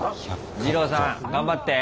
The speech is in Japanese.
二朗さん頑張って！